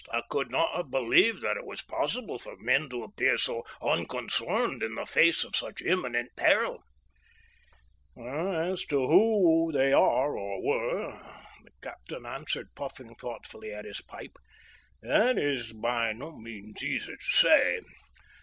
"I could not have believed that it was possible for men to appear so unconcerned in the face of such imminent peril." "As to who they are or were," the captain answered, puffing thoughtfully at his pipe, "that is by no means easy to say.